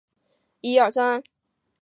每个自治区进一步划分为分区。